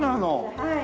はい。